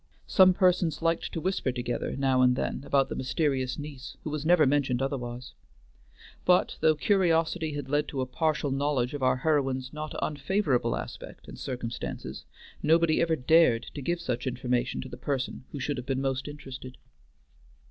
Some persons liked to whisper together now and then about the mysterious niece, who was never mentioned otherwise. But though curiosity had led to a partial knowledge of our heroine's not unfavorable aspect and circumstances, nobody ever dared to give such information to the person who should have been most interested.